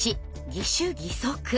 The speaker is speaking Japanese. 義手義足。